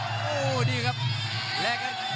โหดีครับ